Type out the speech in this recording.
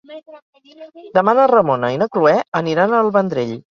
Demà na Ramona i na Cloè aniran al Vendrell.